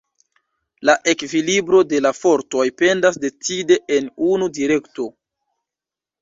La ekvilibro de la fortoj pendas decide en unu direkto.